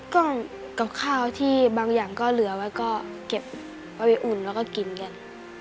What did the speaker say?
กล้องกับข้าวที่บางอย่างก็เหลือไว้ก็เก็บเอาไปอุ่นแล้วก็กินกัน